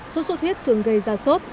suốt suốt huyết thường gây ra sốt